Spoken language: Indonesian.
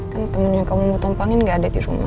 kan temennya kamu mau tumpangin gak ada dirumah